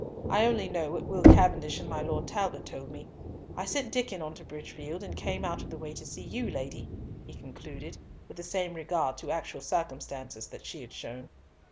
I only know what Will Cavendish and my Lord Talbot told me. I sent Diccon on to Bridgefield, and came out of the way to see you, lady," he concluded, with the same regard to actual circumstances that she had shown.